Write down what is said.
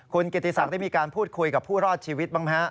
คุณกิติศักดิ์ได้มีการพูดคุยกับผู้รอดชีวิตบ้างไหมฮะ